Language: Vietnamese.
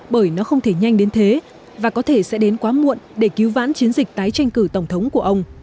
bởi nó không thể nhanh đến thế và có thể sẽ đến quá muộn để cứu vãn chiến dịch tái tranh cử tổng thống của ông